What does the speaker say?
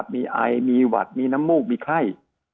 มีไอมีหวัดมีน้ำมูกมีไข้